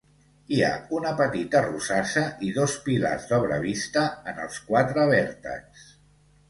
Hi ha una petita rosassa i dos pilars d'obra vista en els quatre vèrtexs.